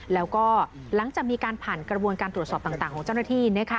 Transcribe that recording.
แล้วก็หลังจากมีการผ่านกระบวนการตรวจสอบต่างของเจ้าหน้าที่